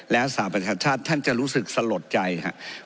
แล้วสหประชาชาติท่านจะรู้สึกสลดใจครับ